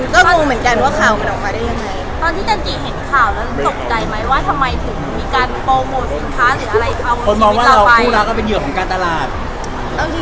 ก็ต้องรู้เหมือนกันว่าข่าวกันออกมาได้ยังไง